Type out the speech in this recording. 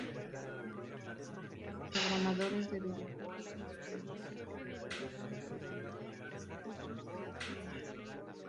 La empresa contrató a programadores de videojuegos independientes que recibieron regalías por sus creaciones.